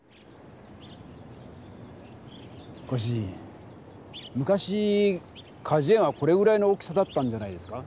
ご主人昔かじゅ園はこれぐらいの大きさだったんじゃないですか？